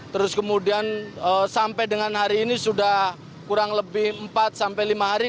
terus kemudian sampai dengan hari ini sudah kurang lebih empat sampai lima hari